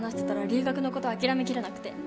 留学のこと諦めきれなくて